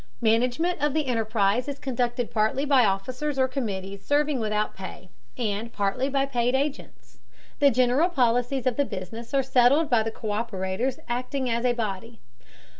Management of the enterprise is conducted partly by officers or committees serving without pay, and partly by paid agents. The general policies of the business are settled by the co÷perators acting as a body.